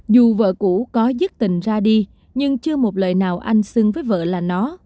dù vợ cũ có dứt tình ra đi nhưng chưa một lời nào anh xứng với vợ là nó